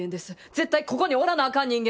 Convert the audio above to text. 絶対ここにおらなあかん人間です。